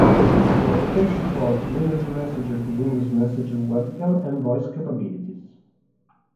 This protocol supports Windows Messenger-to-Windows Messenger webcam and voice capabilities.